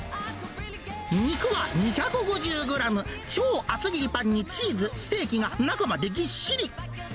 肉は２５０グラム、超厚切りパンにチーズ、ステーキが中までぎっしり。